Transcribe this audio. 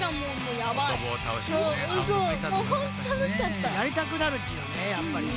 やりたくなるっちよねやっぱりね。